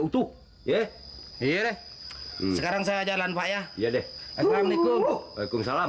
utuh ya iya sekarang saya jalan pak ya iya deh assalamualaikum waalaikumsalam